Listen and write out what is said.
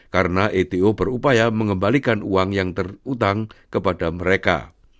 karena ato berupaya mengembalikan uang yang terutang kepada mereka